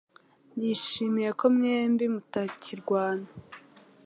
Nishimiye ko mwembi mutakirwana.